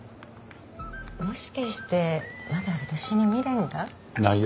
もしかしてまだ私に未練が？ないよ。